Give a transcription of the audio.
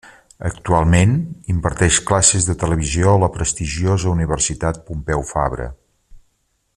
Actualment, imparteix classes de televisió a la prestigiosa Universitat Pompeu Fabra.